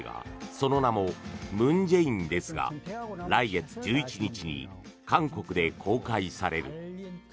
その名も「文在寅です」が来月１１日に韓国で公開される。